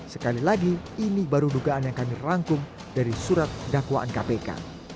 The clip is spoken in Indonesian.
sekali lagi ini baru dugaan yang kami rangkum dari surat dakwaan kpk